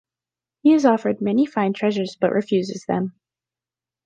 He is offered many fine treasures but refuses them.